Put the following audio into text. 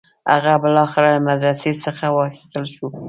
هغه بالاخره له مدرسې څخه وایستل شو.